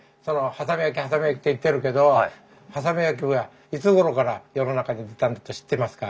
波佐見焼波佐見焼って言ってるけど波佐見焼はいつごろから世の中に出たんだと知ってますか？